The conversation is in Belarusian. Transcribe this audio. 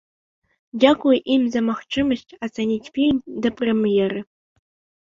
Дзякуй ім за магчымасць ацаніць фільм да прэм'еры.